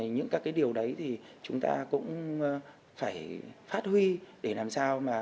những các cái điều đấy thì chúng ta cũng phải phát huy để làm sao mà